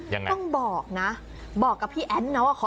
อย่างไหนต้องบอกนะบอกกับพี่แอนนะคะ